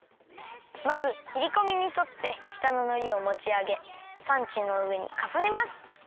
まずきりこみにそってしたののりをもちあげサンチュのうえにかさねます。